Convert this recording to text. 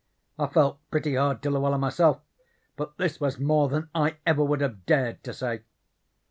I felt pretty hard to Luella myself, but this was more than I ever would have dared to say.